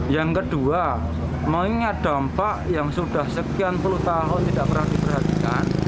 yang kedua mengingat dampak yang sudah sekian puluh tahun tidak pernah diperhatikan